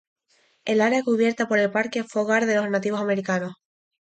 El área cubierta por el parque fue hogar de los nativos americanos.